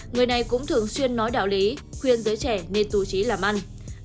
người này cũng thường xuyên nói đạo lý khuyên giới trẻ nên tù trí làm ăn